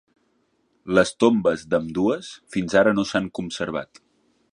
Les tombes d'ambdues fins ara no s'han conservat.